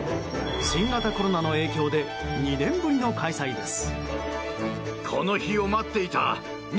新型コロナの影響で２年ぶりの開催です。